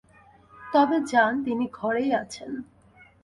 তবে যান, তিনি ঘরেই আছেন।